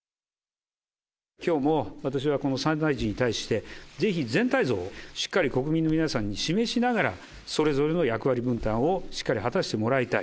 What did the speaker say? きょうも私はこの３大臣に対して、ぜひ全体像をしっかり国民の皆様に示しながら、それぞれの役割分担をしっかり果たしてもらいたい。